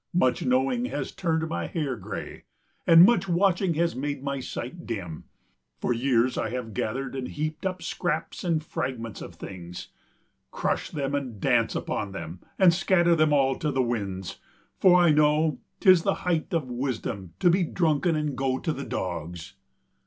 Much knowing has turned my hair grey, and much watching has made my sight dim. For years I have gathered and heaped up scraps and fragments of things; Crush them and dance upon them, and scatter them all to the winds. For I know 'tis the height of wisdom to be drunken and go to the dogs.